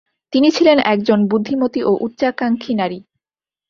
তিনি ছিলেন একজন বুদ্ধিমতী ও উচ্চাকাঙ্ক্ষী নারী।